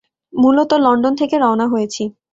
মূলত লন্ডন থেকে রওনা হয়েছি।